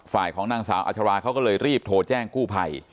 ของนางสาวอัชราเขาก็เลยรีบโทรแจ้งกู้ภัย